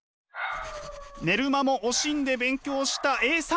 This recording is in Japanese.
寝る間も惜しんで勉強したＡさん。